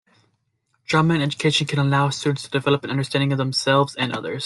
Drama in Education can allow students to develop an understanding of themselves and others.